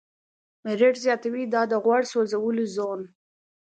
میرټ زیاتوي، دا د "غوړ سوځولو زون